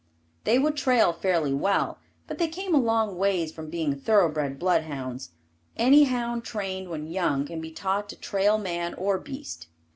They would trail fairly well, but they came a long ways from being thoroughbred bloodhounds. Any hound trained when young can be taught to trail man or beast.